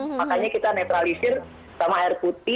makanya kita netralisir sama air putih